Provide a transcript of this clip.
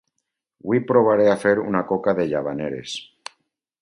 Avui provaré de fer una coca de Llavaneres